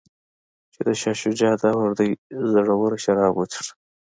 چې د شاه شجاع دور دی زړور شراب وڅښه.